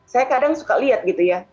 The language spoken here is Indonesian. saya kadang suka lihat gitu ya